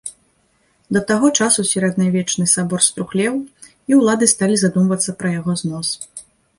Да таго часу сярэднявечны сабор струхлеў, і ўлады сталі задумвацца пра яго знос.